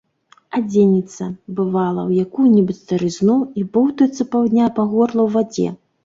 Адзенецца, бывала, у якую-небудзь старызну і боўтаецца паўдня па горла ў вадзе.